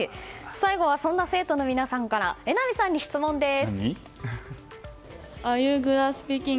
最後はそんな生徒の皆さんから榎並さんに質問です。